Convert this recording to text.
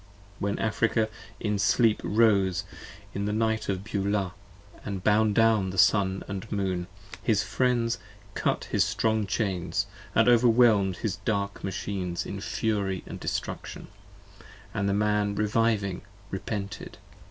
When Africa in sleep 20 Rose in the night of Beulah, and bound down the Sun & Moon, His friends cut his strong chains, & overwhelm'd his dark Machines in fury & destruction, and the Man reviving repented.